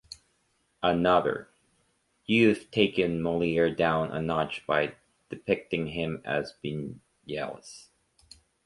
Another: “You’ve taken Molière down a notch by depicting him as being jealous.